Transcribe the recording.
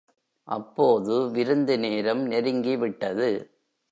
அப்போது விருந்துநேரம் நெருங்கி விட்டது.